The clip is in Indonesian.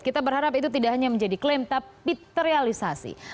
kita berharap itu tidak hanya menjadi klaim tapi terrealisasi